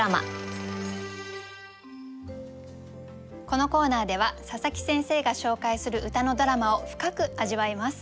このコーナーでは佐佐木先生が紹介する歌のドラマを深く味わいます。